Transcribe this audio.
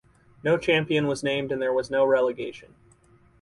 No champion was named and there was no relegation.